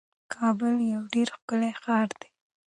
کابل یو ډیر ښکلی ښار دی.